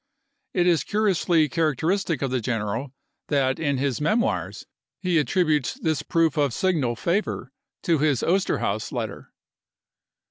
It is curiously charac teristic of the general that in his "Memoirs" he at "MemoiS." tributes this proof of signal favor to his Osterhaus p.W letter.